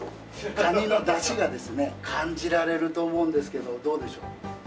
カニのダシがですね感じられると思うんですけどどうでしょう？